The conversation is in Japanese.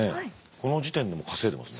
この時点で稼いでますね。